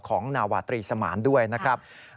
นาวาตรีสมานด้วยนะครับ